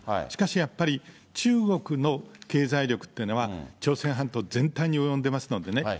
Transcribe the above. しかしやっぱり中国の経済力というのは朝鮮半島全体に及んでますのでね。